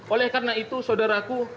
oleh karena itu saudara aku